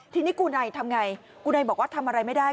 ทีนี้กูไนทำไงกูไนบอกว่าทำอะไรไม่ได้